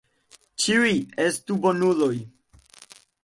Ĉiuj estu bonuloj.